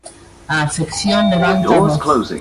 A afección levanta a voz.